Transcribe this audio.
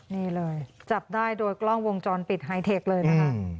นี่เลยจับได้โดยกล้องวงจรปิดไฮเทคเลยนะคะ